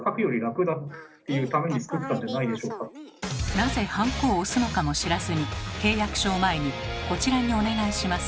なぜハンコを押すのかも知らずに契約書を前に「こちらにお願いします」